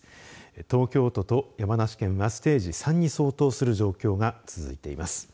東京都と山梨県はステージ３に相当する状況が続いています。